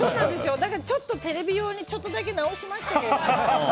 だから、ちょっとテレビ用にちょっとだけ直しましたけど。